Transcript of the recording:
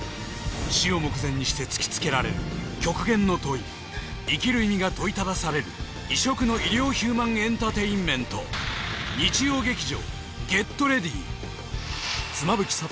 死を目前にして突きつけられる極限の問い生きる意味が問いただされる異色の医療ヒューマンエンタテインメント妻夫木聡